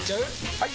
・はい！